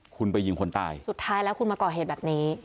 คุณไปยิงคนตายสุดท้ายแล้วคุณมาก่อเหตุแบบนี้